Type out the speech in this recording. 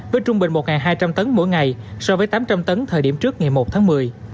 với trung bình một hai trăm linh tấn mỗi ngày so với tám trăm linh tấn thời điểm trước ngày một tháng một mươi